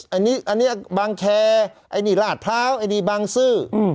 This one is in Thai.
อันนี้บางแคอันนี้หลาดพร้าวอันนี้บางซื้ออืม